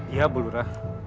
iya bu lura